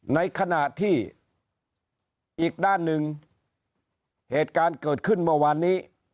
ในขณะที่อีกด้านหนึ่งเหตุการณ์เกิดขึ้นเมื่อวานนี้